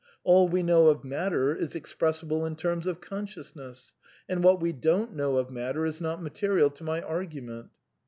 All we know of matter is expres Hsible in terms of consciousness ; and what we don't know of matter is not material to my argument.